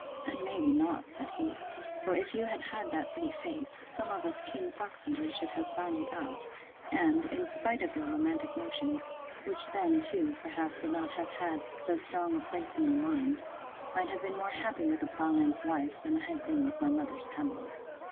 And may be not, said he; for if you had had that pretty face, some of us keen fox hunters should have found you out; and, in spite of your romantic notions, (which then, too, perhaps, would not have had so strong a place in your mind,) might have been more happy with the ploughman's wife, than I have been with my mother's Pamela.